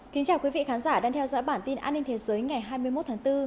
kính chào quý vị khán giả đang theo dõi bản tin an ninh thế giới ngày hai mươi một tháng bốn